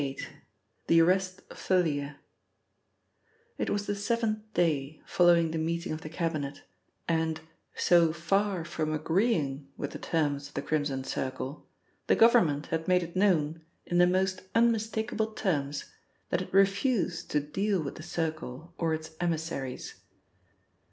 — THE ARREST OF THALIA IT was the seventh day following the meeting of the Cabinet, and, so far from agreeing with the terms of the Crimson Circle, the Government had made it known, in the most unmistakable terms, that it refused to deal with the Circle or its emissaries.